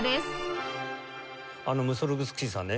あのムソルグスキーさんね